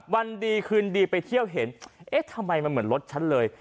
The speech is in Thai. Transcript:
วันดีคืนดีไปเที่ยวเห็นเอ๊ะทำไมมันเหมือนรถฉันเลย